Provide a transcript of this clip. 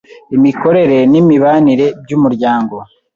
imikorere n’imibanire by’Umuryango